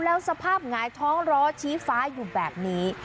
แล้วสภาพหงายท้องล้อชี้ฟ้าอยู่แบบนี้